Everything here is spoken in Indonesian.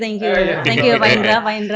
terima kasih pak indra pak indra